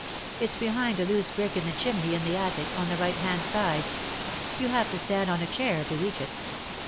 It's behind a loose brick in the chimney, in the attic, on the right hand side. You have to stand on a chair to reach it.